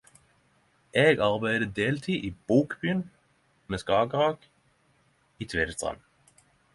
Eg arbeider deltid i Bokbyen ved Skagerrak i Tvedestrand.